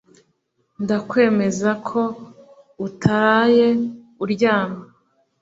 Ndakwemeza ko utaraye uryamye.